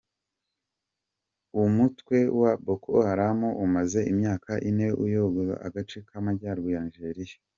Umutwe wa Boko Haram umaze imyaka ine uyogoza agace k’Amajyaruguru ya Nigeria.